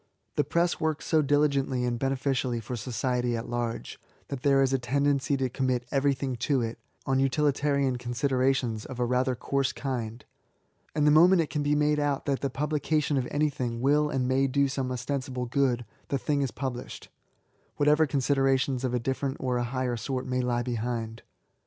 The press works so diligently and beneficially for society at large, that there is a tendency to commit everything to it, on utilitarian considerations of a rather coarse kind: and the moment it can be made out that the publication of anything will and may do some ostensible good, the thing is published, r whatever considerations of a different or a higher sort may lie behind.